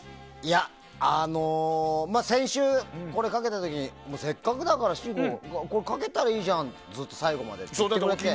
先週、これかけた時にせっかくだからこれかけたらいいじゃんって最後までずっと言って。